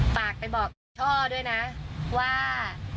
ฝากไปบอกพ่อด้วยนะว่า